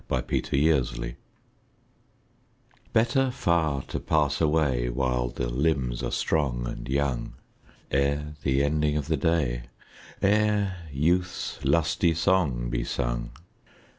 XV Better Far to Pass Away BETTER far to pass away While the limbs are strong and young, Ere the ending of the day, Ere youth's lusty song be sung.